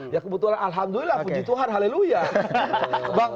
ya kebetulan alhamdulillah puji tuhan haleluyah